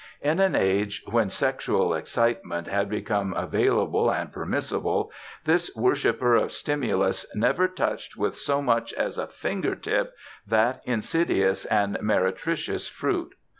In an age when sexual excitement had become available and permissible, this worshiper of stimulus never touched with so much as a fingertip that insidious and meretricious fruit.